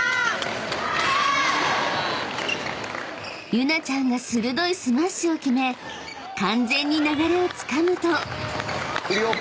［ユナちゃんが鋭いスマッシュを決め完全に流れをつかむと］くるよ。